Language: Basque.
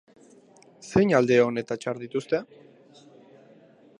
Zein alde on eta txar dituzte?